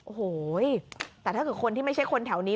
โอ้โหแต่ถ้าเกิดคนที่ไม่ใช่คนแถวนี้